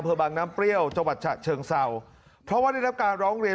บางน้ำเปรี้ยวจังหวัดฉะเชิงเศร้าเพราะว่าได้รับการร้องเรียน